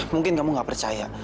mungkin kamu nggak percaya